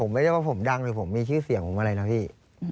ไม่ได้ว่าผมดังหรือผมมีชื่อเสียงผมอะไรนะพี่